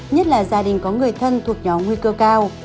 nhất là gia đình có người thân thuộc nhóm nguy cơ cao